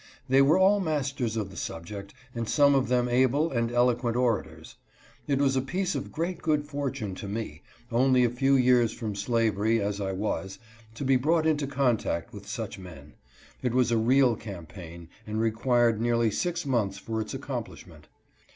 They were all masters of the sub ject, and some of them able and eloquent orators. It was a piece of great good fortune to me, only a few years from slavery as I was, to be brought into contact with such men. It was a real campaign, and required nearly six months for its accomplishment.